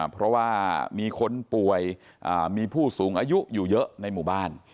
เพราะว่ามีคนป่วยมีผู้สูงอายุอยู่เยอะในหมู่บ้าน